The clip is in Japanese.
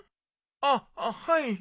あっはい。